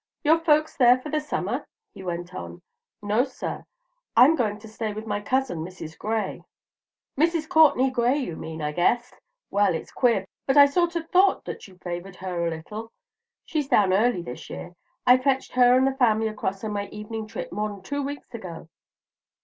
"Your folks there for the summer?" he went on. "No, sir; I'm going to stay with my cousin Mrs. Gray." "Mrs. Courtenay Gray you mean, I guess. Well, it's queer, but I sort er thought that you favored her a little. She's down early this year. I fetched her and the family across on my evening trip more'n two weeks ago.